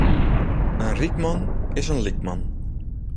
In ryk man is in lyk man.